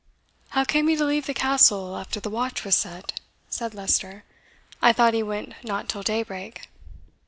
"How came he to leave the Castle after the watch was set?" said Leicester. "I thought he went not till daybreak."